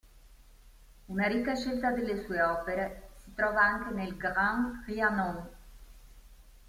Una ricca scelta delle sue opere si trova anche nel Grande Trianon.